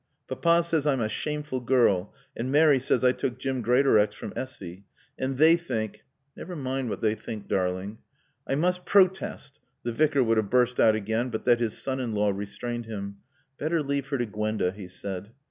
Papa says I'm a shameful girl, and Mary says I took Jim Greatorex from Essy. And they think " "Never mind what they think, darling." "I must protest " The Vicar would have burst out again but that his son in law restrained him. "Better leave her to Gwenda," he said.